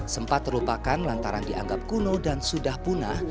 sempat terlupakan lantaran dianggap kuno dan sudah punah